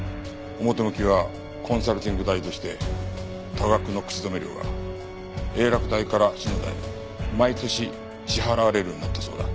表向きはコンサルティング代として多額の口止め料が英洛大から篠田に毎年支払われるようになったそうだ。